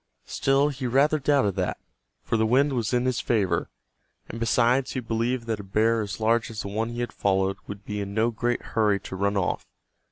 Still he rather doubted that, for the wind was in his favor, and besides he believed that a bear as large as the one he had followed would be in no great hurry to run off.